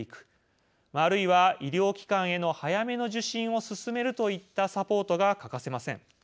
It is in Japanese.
あるいは医療機関への早めの受診を勧めるといったサポートが欠かせません。